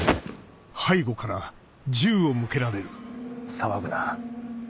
騒ぐな。